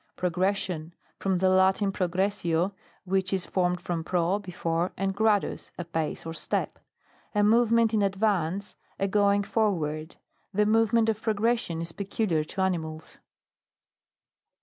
PROGRESSION. From the Latin pro gressio, which is formed from pro t before, and gradus, a pace or step. A movement in advance, a going forward. The movement of pro gression is peculiar to animals.